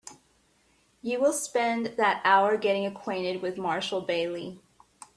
You will spend that hour getting acquainted with Marshall Bailey.